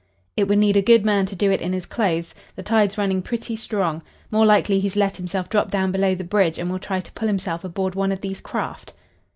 "It would need a good man to do it in his clothes. The tide's running pretty strong. More likely he's let himself drop down below the bridge, and will try to pull himself aboard one of these craft."